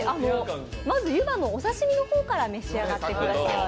まず湯葉のお刺身から召し上がってください。